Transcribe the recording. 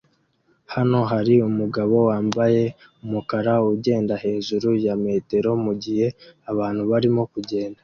Hano hari umugabo wambaye umukara ugenda hejuru ya metero mugihe abantu barimo kugenda